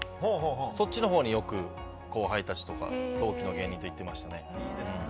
そっちのほうによく後輩たちとか、同期の芸人と行ってましたね。